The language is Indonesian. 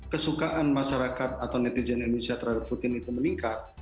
kesukaan masyarakat atau netizen indonesia terhadap putin itu meningkat